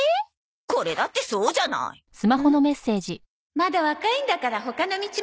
「まだ若いんだから他の道もあるって」